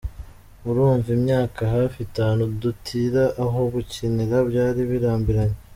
Urumva imyaka hafi itanu dutira aho gukinira byari birambiranye.